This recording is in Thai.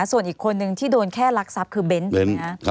ส่วนอีกคนนึงที่โดนแค่รักทรัพย์คือเบนส์